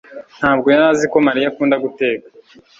ntabwo yari azi ko mariya akunda guteka